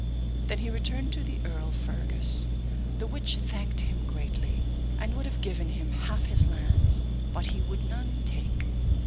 Then he returned to the Earl Fergus, the which thanked him greatly, and would have given him half his lands, but he would none take.